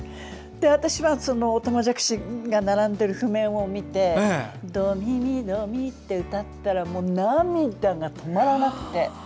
私は、おたまじゃくしが並んでる譜面を見て「ドミミドミ」って歌ったらもう涙が止まらなくて。